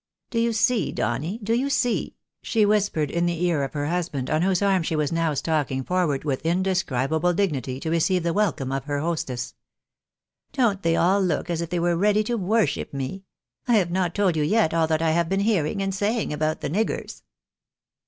" Do you see, Donny ?— do you see ?" she whispered in the ear of her husband, on whose arm she was now stalking forward with indescribable dignity to receive the welcome of her hostess. " Don't they all look as if they were ready to worship me ? I have not told you yet all that I have been hearing and saying about the niggers."